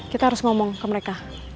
kita harus ngomong ke mereka